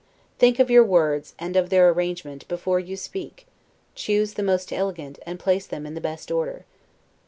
Think of your words, and of their arrangement, before you speak; choose the most elegant, and place them in the best order.